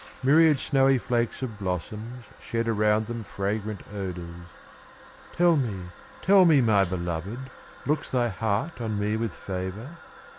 Myriad snowy flakes of blossoms Shed around them fragrant odors. "Tell me, tell me, my belovèd, Looks thy heart on me with favor?"